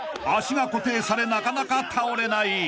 ［足が固定されなかなか倒れない］